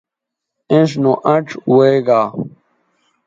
اِنڇ نو اَنڇ وے گا